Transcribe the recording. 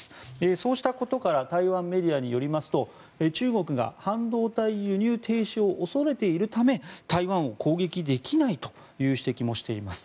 そうしたことから台湾メディアによりますと中国が半導体輸入停止を恐れているため台湾を攻撃できないという指摘もしています。